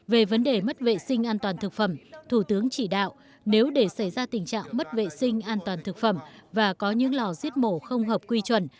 về vấn đề mất vệ sinh an toàn thực phẩm thủ tướng chỉ đạo nếu để xảy ra tình trạng mất vệ sinh an toàn thực phẩm và có những lò giết mổ không hợp quy chuẩn